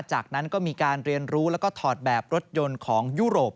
จากนั้นก็มีการเรียนรู้แล้วก็ถอดแบบรถยนต์ของยุโรป